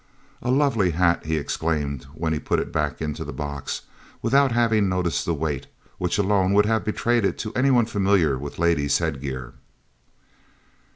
"A lovely hat!" he exclaimed when he put it back into the box, without having noticed the weight, which alone would have betrayed it to any one familiar with ladies' headgear.